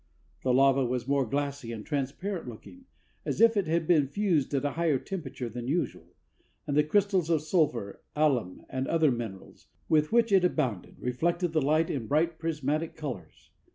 The lava was more glassy and transparent looking, as if it had been fused at a higher temperature than usual; and the crystals of sulphur, alum, and other minerals, with which it abounded, reflected the light in bright prismatic colors.